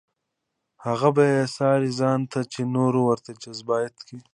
هغه بې ساري ځان دی چې نور ورته جذابیت وایي.